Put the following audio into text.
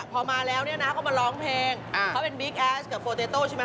พอมาแล้วเนี่ยนะเขามาร้องเพลงเขาเป็นบิ๊กแอสกับโฟเตโต้ใช่ไหม